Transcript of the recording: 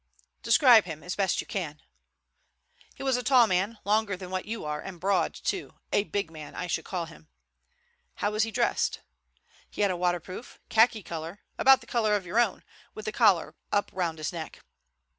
"Describe him as best you can." "He was a tall man, longer than what you are, and broad too. A big man, I should call him." "How was he dressed?" "He had a waterproof, khaki color—about the color of your own—with the collar up round his neck."